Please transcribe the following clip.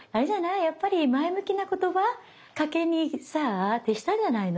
やっぱり前向きな言葉かけにさ徹したんじゃないの？